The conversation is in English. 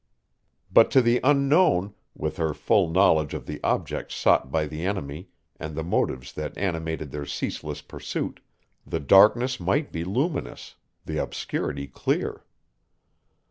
But to the Unknown, with her full knowledge of the objects sought by the enemy and the motives that animated their ceaseless pursuit, the darkness might be luminous, the obscurity clear.